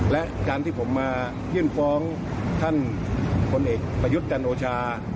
และการที่ผมมายื่นฟ้องท่านพลเอกประยุทธ์จันโอชา